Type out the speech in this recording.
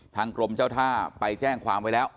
ทางกรมเจ้าท่าไปแจ้งความไว้แล้ว